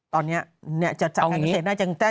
ตอนนี้จะตั้งเอกเสน่ห์น่าจัง